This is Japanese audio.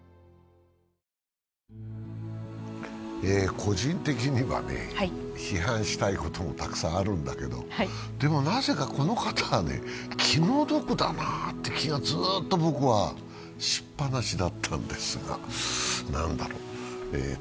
個人的には批判したいこともたくさんあるんだけど、でもなぜかこの方は気の毒だなって気がずっと僕はしっぱなしだったんですが、何だろう。